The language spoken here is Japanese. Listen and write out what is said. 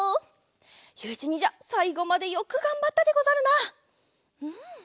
ゆういちにんじゃさいごまでよくがんばったでござるな。